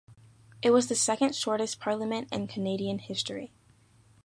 It was the second shortest parliament in Canadian history.